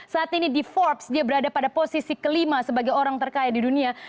saat ini di forbes dia berada pada posisi kelima sebagai orang terkaya di dunia